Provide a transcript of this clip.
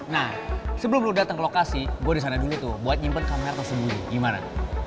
nah sebelum lo datang ke lokasi gue disana dulu tuh buat nyimpen kamera tersebut gimana